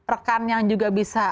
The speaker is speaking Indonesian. rekan yang juga bisa